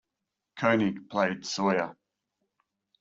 Koenig played Sawyer.